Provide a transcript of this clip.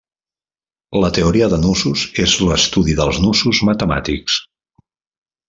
La teoria de nusos és l'estudi dels nusos matemàtics.